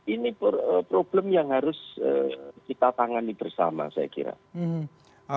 ini problem yang harus kita tangani bersama saya kira